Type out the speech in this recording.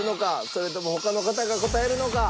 それとも他の方が答えるのか？